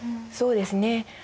そうですね。